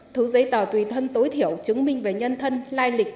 thứ giấy tờ tùy thân tối thiểu chứng minh về nhân thân lai lịch